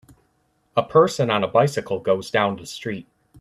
A person on a bicycle goes down the street.